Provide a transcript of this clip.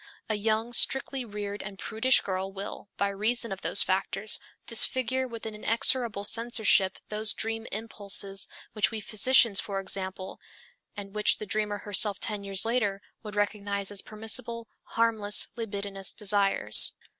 A young, strictly reared and prudish girl will, by reason of those factors, disfigure with an inexorable censorship those dream impulses which we physicians, for example, and which the dreamer herself ten years later, would recognize as permissible, harmless, libidinous desires.